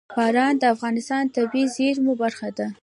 باران د افغانستان د طبیعي زیرمو برخه ده.